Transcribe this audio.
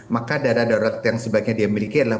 maka dana darurat yang sebaiknya dia miliki adalah